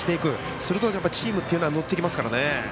すると、チームは乗ってきますからね。